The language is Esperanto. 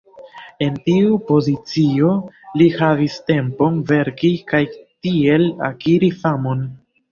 En tiu pozicio li havis tempon verki kaj tiel akiri famon.